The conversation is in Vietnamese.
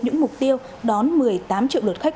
những mục tiêu đón một mươi tám triệu lượt khách